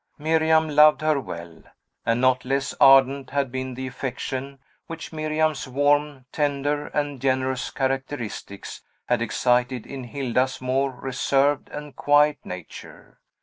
Miriam loved her well; and not less ardent had been the affection which Miriam's warm, tender, and generous characteristics had excited in Hilda's more reserved and quiet nature.